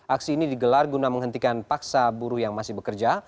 aksi ini digelar guna menghentikan paksa buruh yang masih bekerja